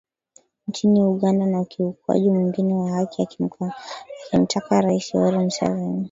nchini Uganda na ukiukwaji mwingine wa haki akimtaka Rais Yoweri Museveni